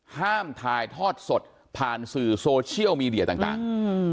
ห้ามถ่ายทอดสดผ่านสื่อโซเชียลมีเดียต่าง